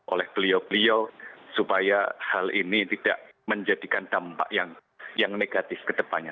oleh beliau beliau supaya hal ini tidak menjadikan dampak yang negatif ke depannya